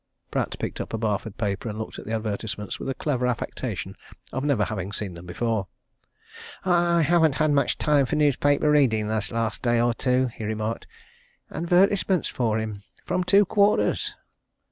Pratt picked up a Barford paper and looked at the advertisements with a clever affectation of having never seen them before. "I haven't had much time for newspaper reading this last day or two," he remarked. "Advertisements for him from two quarters!"